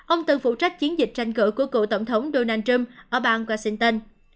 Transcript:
ông tự phụ trách chiến dịch tranh cử của cựu tổng thống donald trump ở bang washington